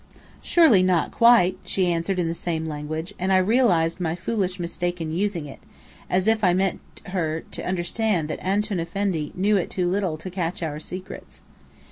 "Surely not quite!" she answered in the same language, and I realized my foolish mistake in using it, as if I meant her to understand that Antoun Effendi knew it too little to catch our secrets.